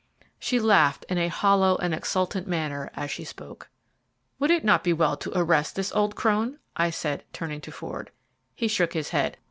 She laughed in a hollow and exultant manner as she spoke. "Would it not be well to arrest this old crone?" I said, turning to Ford. He shook his head.